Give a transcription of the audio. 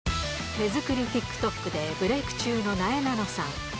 手作りＴｉｋＴｏｋでブレーク中のなえなのさん。